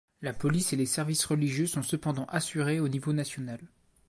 La police et les services religieux sont cependant assurés au niveau national.